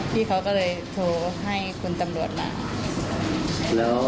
พี่เขาก็เลยโทรให้คุณตำรวจมา